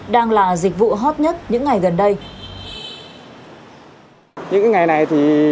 đang là dịch vụ hot nhất những ngày gần đây